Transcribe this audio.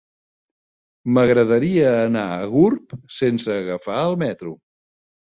M'agradaria anar a Gurb sense agafar el metro.